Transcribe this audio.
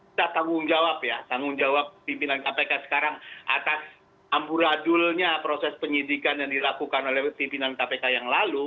kita tanggung jawab ya tanggung jawab pimpinan kpk sekarang atas amburadulnya proses penyidikan yang dilakukan oleh pimpinan kpk yang lalu